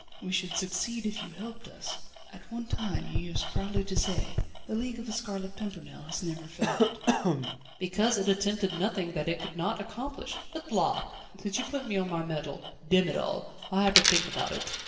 "We should succeed if you helped us. At one time you used proudly to say: 'The League of The Scarlet Pimpernel has never failed.'" "Because it attempted nothing which it could not accomplish. But, la! since you put me on my mettle Demm it all! I'll have to think about it!"